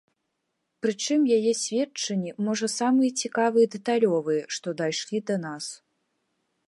Прычым яе сведчанні, можа, самыя цікавыя і дэталёвыя, што дайшлі да нас.